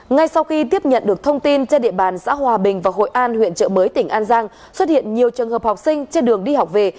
ngay sau khi tiếp nhận được thông tin trên địa bàn xã hòa bình và hội an huyện trợ mới tỉnh an giang xuất hiện nhiều trường hợp học sinh trên đường đi học về